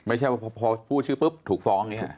ไม่ใช่ว่าพอพูดชื่อปุ๊บถูกฟ้องอย่างนี้